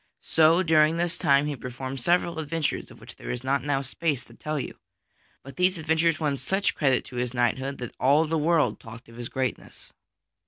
So during this time he performed several adventures of which there is not now space to tell you. But these adventures won such credit to his knighthood that all the world talked of his greatness.